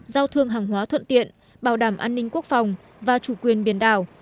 giao thương hàng hóa thuận tiện bảo đảm an ninh quốc phòng và chủ quyền biển đảo